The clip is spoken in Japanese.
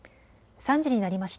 ３時になりました。